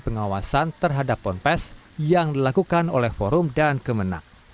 pengawasan terhadap ponpes yang dilakukan oleh forum dan kemenang